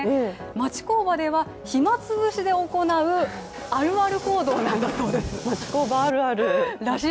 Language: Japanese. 町工場では暇潰しで行うあるある行動なんだそうです。